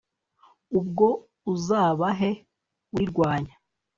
ubwo uzabahe urirwanya